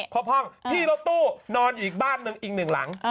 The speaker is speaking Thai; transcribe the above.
พี่รถตู้นอนอยู่อีกบ้านอีกหนึ่งหลัง